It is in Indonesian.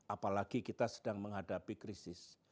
apalagi kita sedang menghadapi krisis